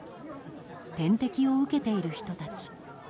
点滴を受けている人たち。